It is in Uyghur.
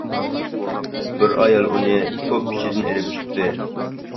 بىر ئايال ئۇنى توپ ئىچىدىن ئېلىپ چىقتى.